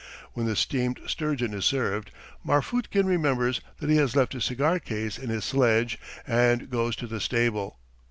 When the steamed sturgeon is served, Marfutkin remembers that he has left his cigar case in his sledge and goes to the stable.